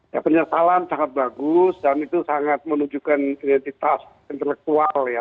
ya penyesalan sangat bagus dan itu sangat menunjukkan identitas intelektual ya